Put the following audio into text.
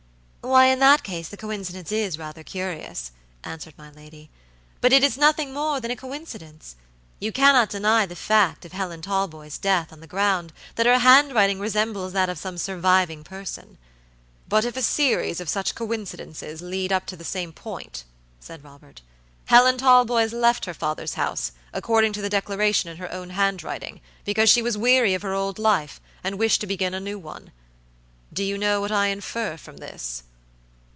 "Why, in that case the coincidence is rather curious," answered my lady; "but it is nothing more than a coincidence. You cannot deny the fact of Helen Talboys death on the ground that her handwriting resembles that of some surviving person." "But if a series of such coincidences lead up to the same point," said Robert. "Helen Talboys left her father's house, according to the declaration in her own handwriting, because she was weary of her old life, and wished to begin a new one. Do you know what I infer from this?"